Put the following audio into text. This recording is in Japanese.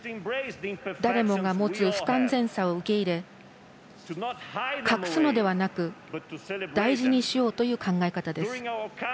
誰もが持つ不完全さを受け入れ、隠すのではなく大事にしようという考え方です。